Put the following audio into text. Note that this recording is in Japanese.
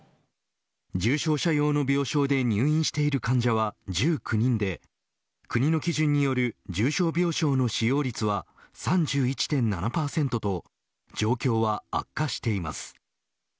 重症者用の病床で入院している患者は１９人で国の基準による重症病床の使用率は３１．７％と状況は悪化しています。